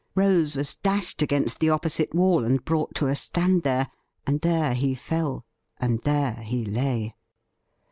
Rose was dashed against the opposite wall, and brought to a stand there ; and there he fell, and there he lay.